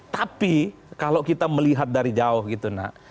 tapi kalau kita melihat dari jauh gitu nak